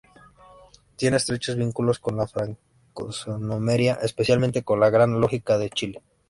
Tiene estrechos vínculos con la francmasonería, especialmente con la Gran Logia de Chile.